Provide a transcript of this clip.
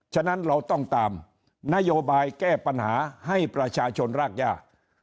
ฉะนั้นเราต้องตามนโยบายแก้ปัญหาให้ประชาชนรากย่า